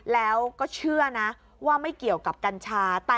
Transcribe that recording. แล้วก็เชื่อนะว่าไม่เกี่ยวกับกัญชา